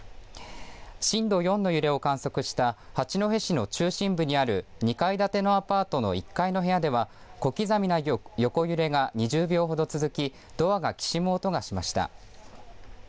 震度４の揺れを観測した八戸市の中心部にある２階建てのアパートの１階の部屋では小刻みな横揺れが２０秒ほど続きドアが、きしむ音がしました。